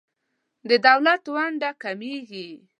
د دولت ونډه کمیږي.